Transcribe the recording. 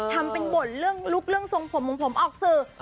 ทำเป็นบ่นลูกเรื่องทรงผมมุมผมออกสื่อ